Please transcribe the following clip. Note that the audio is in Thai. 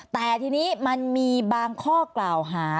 แต่ทีนี้มันมีบางข้อกล่าวหา